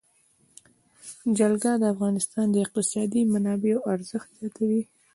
جلګه د افغانستان د اقتصادي منابعو ارزښت زیاتوي.